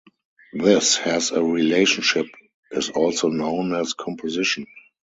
This has-a relationship is also known as composition.